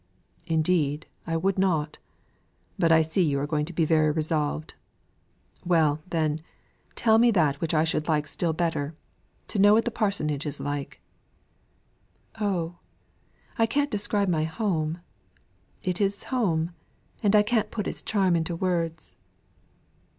"Indeed, I would not. But I see you are going to be very resolved. Well, then, tell me that which I should like still better to know: what the parsonage is like." "Oh, I can't describe my home. It is home, and I can't put its charm into words."